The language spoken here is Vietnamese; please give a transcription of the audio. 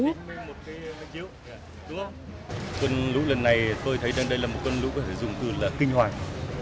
cơn lũ lần này tôi thấy đây là một cơn lũ có thể dùng từ là kinh hoàng